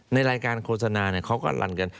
ในรายการโฆษณาเขาก็ลันกัน